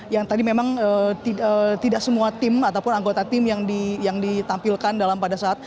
yang tadi memang tidak semua tim ataupun anggota tim yang ditampilkan dalam pada saat